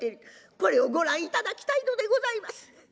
「これをご覧いただきたいのでございます」。